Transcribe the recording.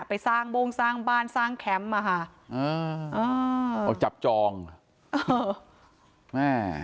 ไปสร้างโบ้งสร้างบ้านสร้างแคมป์มาค่ะเจาะจ้อม